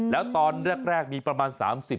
แล้วตอนแรกมีประมาณ๓๐ใช่ไหม